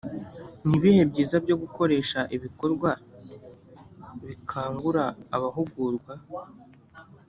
ni ibihe byiza byo gukoresha ibikorwa bikangura abahugurwa